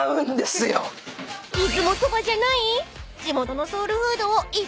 ［出雲そばじゃない？］